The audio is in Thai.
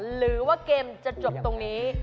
หรือว่าเกมจะจบตรงนี้